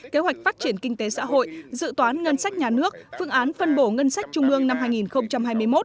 kế hoạch phát triển kinh tế xã hội dự toán ngân sách nhà nước phương án phân bổ ngân sách trung ương năm hai nghìn hai mươi một